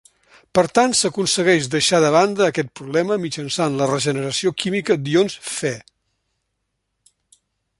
Per tant s’aconsegueix deixar de banda aquest problema mitjançant la regeneració química d’ions Fe.